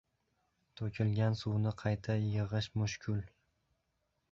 • To‘kilgan suvni qayta yig‘ish mushkul.